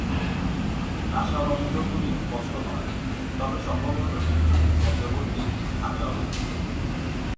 নাসারন্ধ্রগুলি স্পষ্ট নয়, তবে সম্ভবত দুই চোখের মধ্যবর্তী স্থানে অবস্থিত।